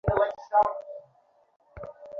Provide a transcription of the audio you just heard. এরা বুনো কুকুরের শিকারের কারণে বিপদগ্রস্ত।